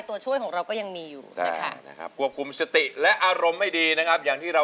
ตัวช่วยของเราก็ยังมีอยู่นะฮะ